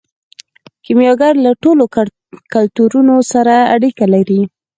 کیمیاګر له ټولو کلتورونو سره اړیکه لري.